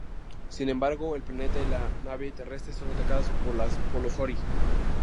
Sin embargo, el planeta y la nave terrestre son atacados por los Ori.